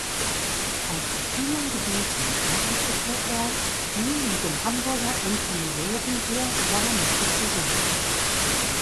Auf vielen Gebieten arbeitete er eng mit dem Hamburger Entomologen Georg Warnecke zusammen.